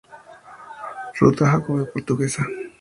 Ruta Jacobea Portuguesa